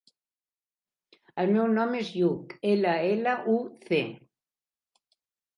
El meu nom és Lluc: ela, ela, u, ce.